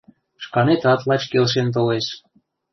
Шканетат лач келшен толеш.